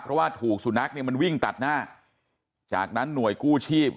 เพราะว่าถูกสุนัขเนี่ยมันวิ่งตัดหน้าจากนั้นหน่วยกู้ชีพ